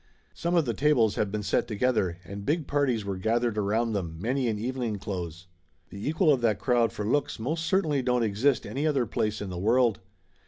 Some of the tables had been set together, and big parties was gathered around them, many in evening clothes. The equal of that crowd for looks most certainly don't exist any other place in the world.